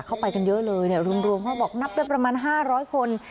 ไปกันเยอะเลยเนี่ยรวมเขาบอกนับได้ประมาณ๕๐๐คน